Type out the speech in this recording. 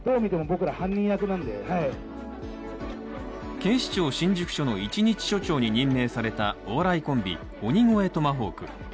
警視庁新宿署の一日署長に任命されたお笑いコンビ、鬼越トマホーク。